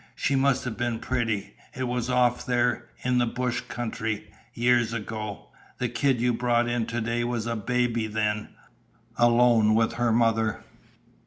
She must have been pretty. It was off there in the bush country years ago. The kid you brought in to day was a baby then alone with her mother.